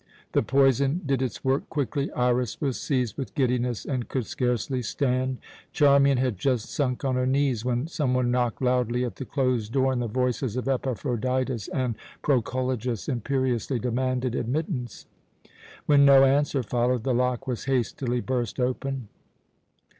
The poison did its work quickly. Iras was seized with giddiness, and could scarcely stand. Charmian had just sunk on her knees, when some one knocked loudly at the closed door, and the voices of Epaphroditus and Proculejus imperiously demanded admittance. When no answer followed, the lock was hastily burst open.